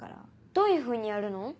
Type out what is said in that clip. どういうふうにやるの？